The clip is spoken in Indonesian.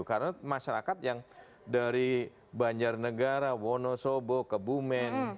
karena masyarakat yang dari banjarnegara wonosobo kebumen